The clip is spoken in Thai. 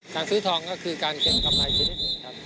การซื้อทองก็คือการเก็บกำไรชนิดหนึ่งครับ